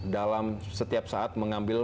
dalam setiap saat mengambil